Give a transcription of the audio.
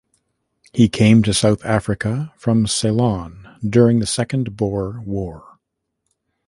He came to South Africa from Ceylon during the Second Boer War.